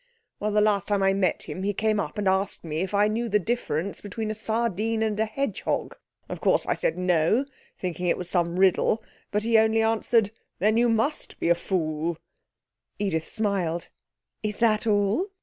'Well, the last time I met him, he came up and asked me if I knew the difference between a sardine and a hedgehog. Of course I said no, thinking it was some riddle, but he only answered, "Then you must be a fool!"' Edith smiled. 'Is that all?'